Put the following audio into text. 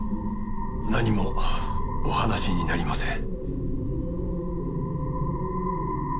何もお話しになりません。